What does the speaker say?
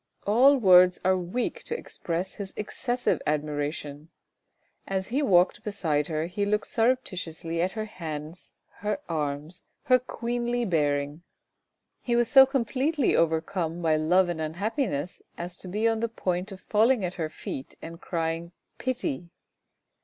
All words are weak to express his excessive admiration. As he walked beside her he looked surreptitiously at her hands, her arms, her queenly bearing. He was so completely overcome by love and un happiness as to be on the point of falling at her feet and crying " pity."